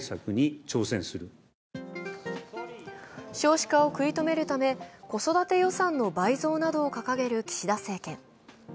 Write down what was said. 少子化を食い止めるため子育て予算の倍増などを掲げる岸田政権。